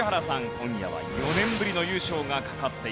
今夜は４年ぶりの優勝が懸かっています。